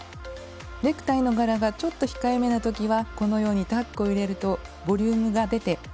ネクタイの柄がちょっと控えめな時はこのようにタックを入れるとボリュームが出て華やかになります。